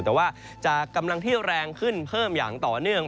แต่ว่าจะกำลังที่แรงขึ้นเพิ่มอย่างต่อเนื่อง